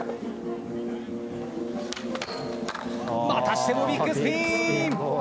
またしてもビックスピン。